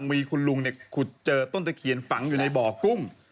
มีคุณลุงขุดเจอต้นตะเคียนฝังอยู่ในบ่อกุ้ง